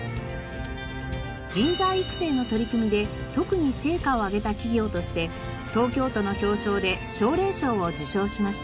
人材育成の取り組みで特に成果を上げた企業として東京都の表彰で奨励賞を受賞しました。